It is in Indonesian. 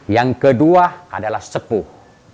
yang kedua adalah sepuh